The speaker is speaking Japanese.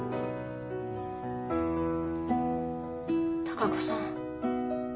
貴子さん。